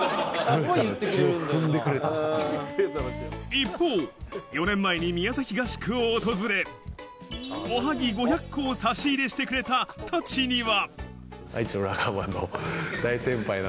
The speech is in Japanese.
一方、４年前に宮崎合宿を訪れ、おはぎ５００個を差し入れしてくれた舘には。